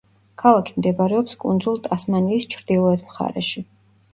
ქალაქი მდებარეობს კუნძულ ტასმანიის ჩრდილოეთ მხარეში.